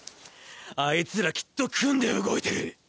あいつらきっと組んで動いてる！